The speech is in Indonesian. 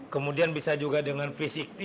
kemudian bisa juga dengan v enam puluh